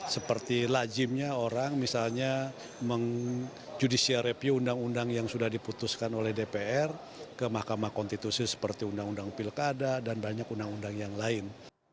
seperti lajimnya orang misalnya judicial review undang undang yang sudah diputuskan oleh dpr ke mahkamah konstitusi seperti undang undang pilkada dan banyak undang undang yang lain